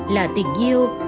là tình yêu